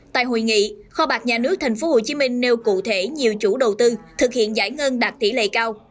tại hội nghị kho bạc nhà nước tp hcm nêu cụ thể nhiều chủ đầu tư thực hiện giải ngân đạt tỷ lệ cao